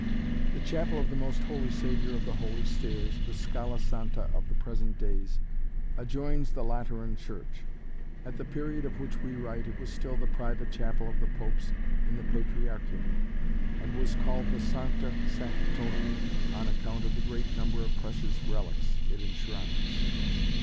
The Chapel of the Most Holy Saviour of the Holy Stairs, the Scala Santa of the present day, adjoins the Lateran Church. At the period of which we write it was still the private chapel of the popes in the Patriarchium, and was called the Sancta Sanctorum on account of the great number of precious relics it enshrines.